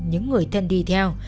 những người thân đi theo